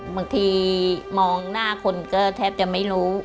บางทีมองหน้าคนก็แทบจะไม่รู้